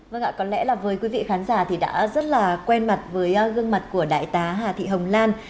vâng ạ có lẽ là với quý vị khán giả thì đã rất là quen mặt với gương mặt của đại tá hà thị hồng lan